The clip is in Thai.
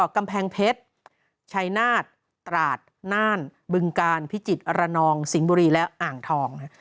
กำแพงเพชรชัยนาฏตราดน่านบึงกาลพิจิตรอนองสิงห์บุรีและอ่างทอง